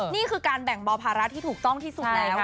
นี่คือการแบ่งเบาภาระที่ถูกต้องที่สุดแล้ว